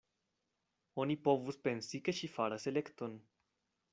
Oni povus pensi, ke ŝi faras elekton.